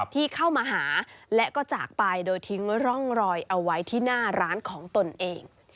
ที่เข้ามาหาและก็จากไปโดยทิ้งร่องรอยเอาไว้ที่หน้าร้านของตนเอง